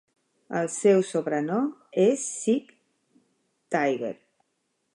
El seu sobrenom és "Sick Tiger".